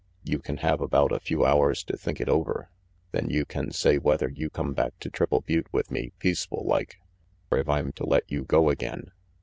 You can have about a few hours to think it over; then you can say whether you come back to Triple Butte with me, peaceful like, er if I'm to let you go again.